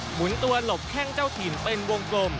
หมุนตัวหลบแข้งเจ้าถิ่นเป็นวงกลม